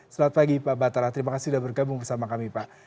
selamat pagi pak batara terima kasih sudah bergabung bersama kami pak